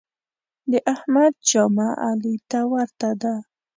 د احمد جامه علي ته ورته ده.